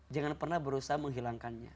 jangan pernah berusaha menghilangkannya